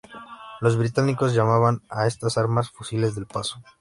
Los británicos llamaban a estas armas "Fusiles del Paso".